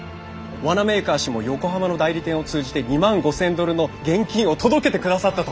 ワナメーカー氏も横浜の代理店を通じて２万５，０００ドルの現金を届けてくださったと。